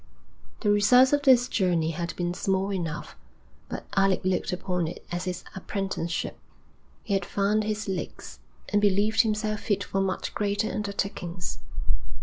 The results of this journey had been small enough, but Alec looked upon it as his apprenticeship. He had found his legs, and believed himself fit for much greater undertakings.